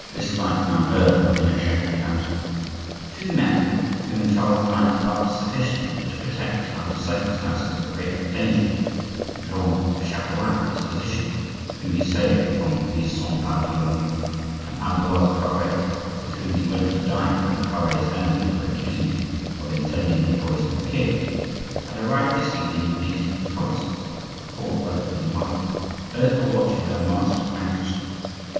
this light now burned in a shattered lantern. Two men, whom Charles IX. loved sufficiently to protect under circumstances of great danger,—Jean Chapelain, his physician, whom he saved from the Saint Bartholomew, and Ambroise Pare, with whom he went to dine when Pare's enemies were accusing him of intending to poison the king,—had arrived this evening in haste from the provinces, recalled by the queen mother. Both were watching their master anxiously.